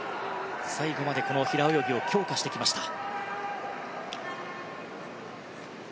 最後まで平泳ぎを強化してきました。